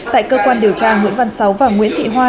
tại cơ quan điều tra nguyễn văn sáu và nguyễn thị hoa